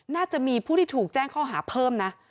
น่าจะมีผู้ที่ถูกแจ้งข้อหาเพิ่มนะ